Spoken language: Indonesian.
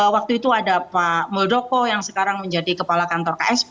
waktu itu ada pak muldoko yang sekarang menjadi kepala kantor ksp